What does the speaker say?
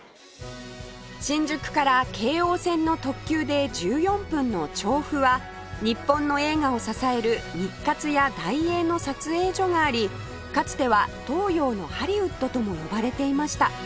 新宿から京王線の特急で１４分の調布は日本の映画を支える日活や大映の撮影所がありかつては東洋のハリウッドとも呼ばれていました